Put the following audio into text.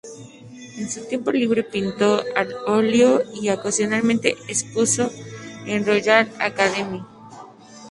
En su tiempo libre pintó al óleo y ocasionalmente expuso en la Royal Academy.